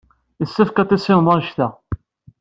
Yessefk ad tissineḍ annect-a.